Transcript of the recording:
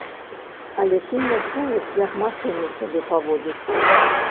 Але ты не чуеш, як машына сябе паводзіць.